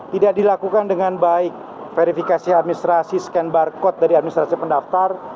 tidak dilakukan dengan baik verifikasi administrasi scan barcode dari administrasi pendaftar